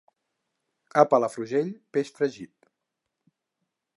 A Palafrugell, peix fregit.